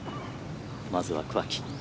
まずは、桑木。